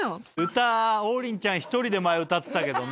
歌王林ちゃん１人で前歌ってたけどね。